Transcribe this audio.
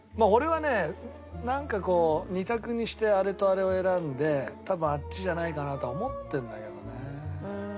俺はねなんかこう２択にしてあれとあれを選んで多分あっちじゃないかなとは思ってるんだけどね。